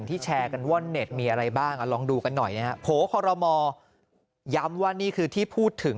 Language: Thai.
แชร์กันว่อนเน็ตมีอะไรบ้างลองดูกันหน่อยนะฮะโผล่คอรมอย้ำว่านี่คือที่พูดถึง